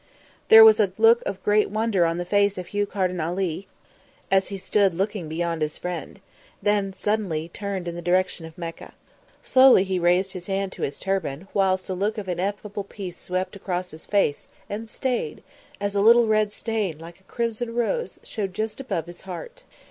There was a look of great wonder on the face of Hugh Carden Ali as he stood looking beyond his friend; then he suddenly turned in the direction of Mecca. Slowly he raised his hand to his turban, whilst a look of ineffable peace swept across his face and stayed, as a little red stain like a crimson rose showed just above his heart.